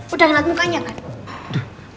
udah lihat mukanya kan